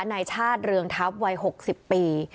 นายชาติเรืองทัพวัย๖๐ปี